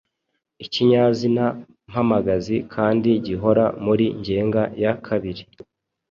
Ikinyazina mpamagazi kandi gihora muri ngenga ya kabiri.